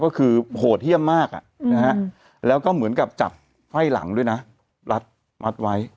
ก็คือโหดเยี่ยมมากแล้วก็เหมือนกับจับไฟ่หลังด้วยนะรัดมัดไว้